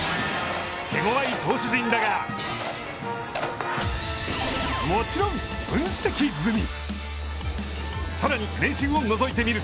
手強い投手陣だがもちろん分析済み！